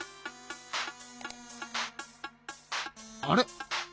あれ？